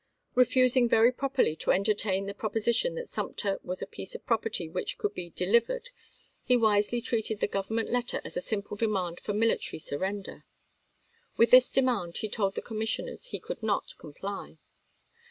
Refusing very properly to entertain the proposi tion that Sumter was a piece of property which could be " delivered," he wisely treated the Govern or's letter as a simple demand for military surren der. With this demand he told the commissioners he could not comply.